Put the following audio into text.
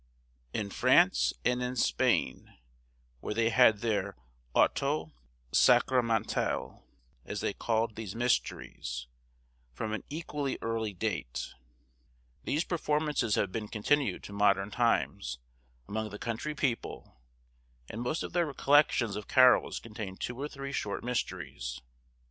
In France, and in Spain, where they had their Autos Sacramentales, as they called these mysteries, from an equally early date, these performances have been continued to modern times among the country people, and most of their collections of carols contain two or three short mysteries.